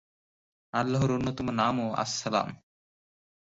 আল্লাহর অন্যতম নামও আস-সালাম।